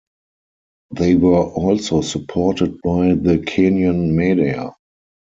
They were also supported by the Kenyan media.